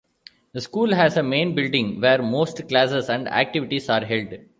The school has a main building where most classes and activities are held.